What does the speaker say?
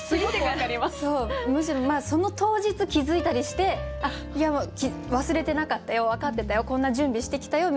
むしろその当日気づいたりして「忘れてなかったよ分かってたよこんな準備してきたよ」